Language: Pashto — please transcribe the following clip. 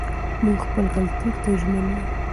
موږ خپل کلتور ته ژمن یو.